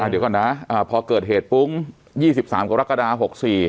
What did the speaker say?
อ่าเดี๋ยวก่อนนะอ่าพอเกิดเหตุปุ๊งยี่สิบสามกว่ารักษณะหกสี่